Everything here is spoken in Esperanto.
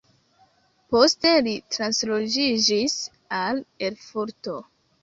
Poste li transloĝiĝis al Erfurto.